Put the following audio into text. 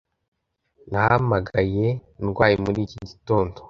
Nahamagaye ndwaye muri iki gitondo.